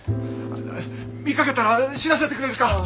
見かけたら知らせてくれるか。